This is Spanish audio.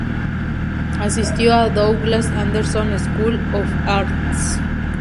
Asistió a Douglas Anderson School of Arts.